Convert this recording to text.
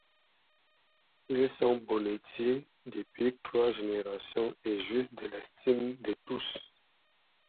Ils sont bonnetiers depuis trois générations et jouissent de l'estime de tous.